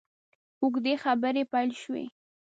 اوږدې خبرې پیل شوې.